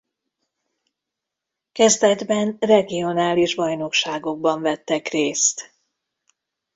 Kezdetben regionális bajnokságokban vettek részt.